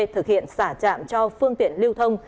thực hiện xả chạm cho phương tiện lưu thông